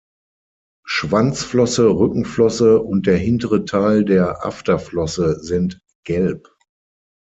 Schwanzflosse, Rückenflosse und der hintere Teil der Afterflosse sind gelb.